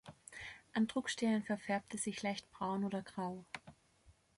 An Druckstellen verfärbt er sich leicht braun oder grau.